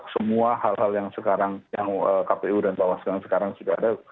semua hal hal yang sekarang yang kpu dan bawaslu sekarang sudah ada